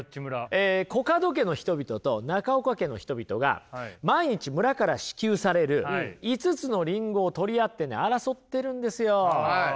コカド家の人々と中岡家の人々が毎日村から支給される５つのりんごを取り合ってね争ってるんですよ。